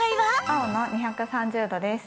青の２３０度です。